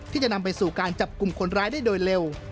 ที่จะนำไปสู่การจับกลุ่มคนร้ายได้โดยเร็ว